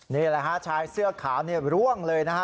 นี่แหละฮะชายเสื้อขาวเนี่ยร่วงเลยนะฮะ